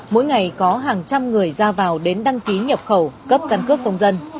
mỗi ngày có hàng trăm người ra vào đến đăng ký nhập khẩu cấp căn cước công dân